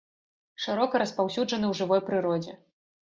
Шырока распаўсюджаны ў жывой прыродзе.